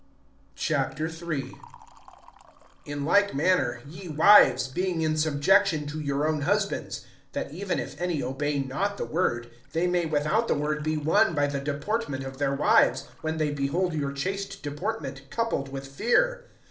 III. IN like manner, ye wives, being in subjection to your own husbands; that even if any obey not the word, they may without the word be won by the deportment of their wives, (2)when they behold your chaste deportment coupled with fear.